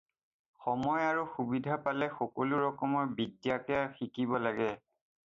সময় আৰু সুবিধা পালে সকলো ৰকমৰ বিদ্যাকে শিকিব লাগে